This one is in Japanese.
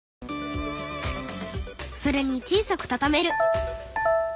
それに小さく畳める。